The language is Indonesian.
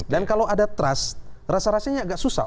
dan kalau ada trust rasa rasanya agak susah